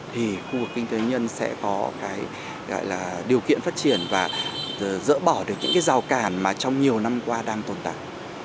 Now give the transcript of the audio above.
thì khu vực kinh tế nhân sẽ có điều kiện phát triển và dỡ bỏ được những rào cản mà trong nhiều năm qua đang tồn tại